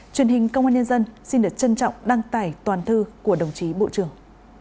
truyền hình công an nhân dân xin được trân trọng đăng tải toàn thư của đồng chí bộ trưởng